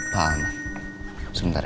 pak ahmad sebentar ya